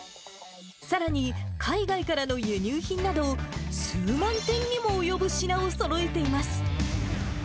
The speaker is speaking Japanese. さらに、海外からの輸入品など、数万点にも及ぶ品をそろえています。